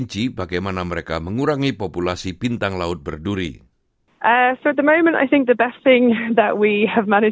dan mereka menginjek bintang karang dengan minyak